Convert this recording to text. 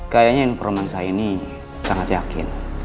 kayaknya informance saya ini sangat yakin